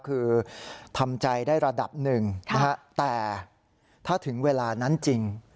คือทำใจได้ระดับหนึ่งนะฮะแต่ถ้าถึงเวลานั้นจริง